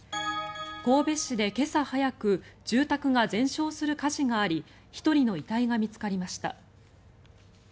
神戸市で今朝早く住宅が全焼する火事があり１人の遺体が見つかりました。